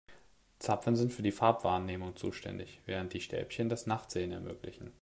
Zapfen sind für die Farbwahrnehmung zuständig, während die Stäbchen das Nachtsehen ermöglichen.